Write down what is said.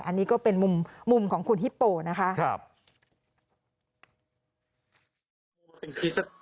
อันนี้ก็เป็นมุมของคุณฮิปโปนะคะ